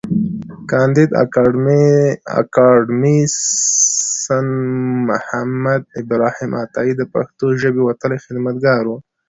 کاندي اکاډميسنمحمد ابراهیم عطایي د پښتو ژبې وتلی خدمتګار و.